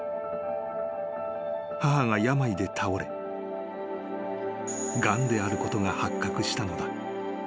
［母が病で倒れがんであることが発覚したのだ］